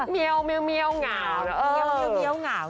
เมียวเมียวเมียวนิ้วเงานะ